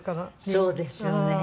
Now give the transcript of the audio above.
そうですよね。